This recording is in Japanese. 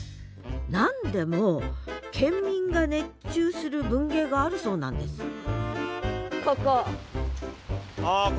何でも県民が熱中する文芸があるそうなんですここ。